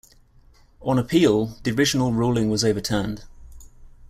On appeal, the original ruling was overturned.